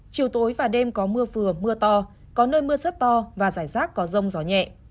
chiều tối và đêm có mưa vừa mưa to có nơi mưa rất to và rải rác có rông gió nhẹ